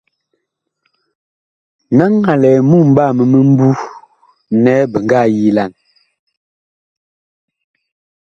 Naŋ a lɛ mumɓaa mi mimbu nɛ bi ngaa yilan.